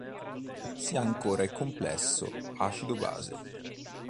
Si ha ancora il complesso acido-base.